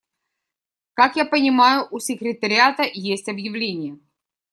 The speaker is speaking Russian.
Как я понимаю, у секретариата есть объявление.